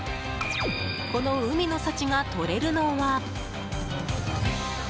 この海の幸がとれるのは。